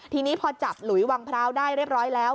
ทีนี้พอจับหลุยวังพร้าวได้เรียบร้อยแล้ว